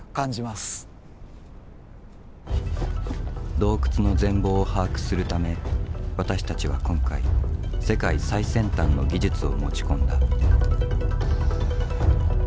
洞窟の全貌を把握するため私たちは今回世界最先端の技術を持ち込んだ。